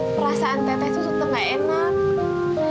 perasaan teteh tuh sumpah nggak enak